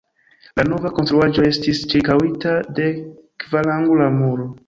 La nova konstruaĵo estis ĉirkaŭita de kvarangula muro.